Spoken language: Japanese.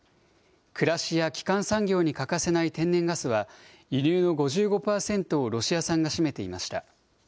暮らしや基幹産業に欠かせない天然ガスは、輸入の５５％をロシア産が占めていました。